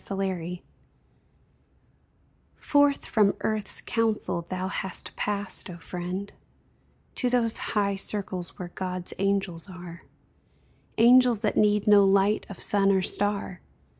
QUESTIONINGS Forth from earth's councils thou hast passed, O friend, To those high circles where God's angels are. Angels that need no light of sun or star